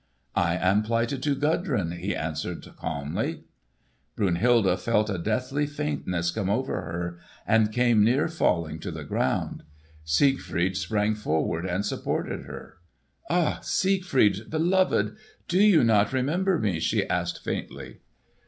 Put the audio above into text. "I am plighted to Gudrun," he answered calmly. Brunhilde felt a deathly faintness come over her and came near falling to the ground. Siegfried sprang forward and supported her. "Ah, Siegfried beloved! do you not remember me?" she asked faintly.